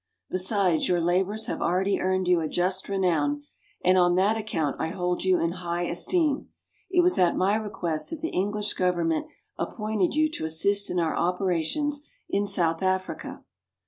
Be sides, your labours have already earned you a just renown, and on that account I hold you in high esteem. It was at my request that the English Government appointed you to assist in our operations in South Africa."